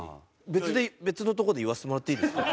別で別のとこで言わせてもらっていいですか？